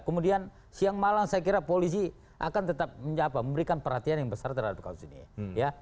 kemudian siang malam saya kira polisi akan tetap memberikan perhatian yang besar terhadap kasus ini